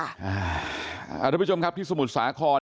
อาทิตย์ผู้ชมครับที่สมุทรสาคร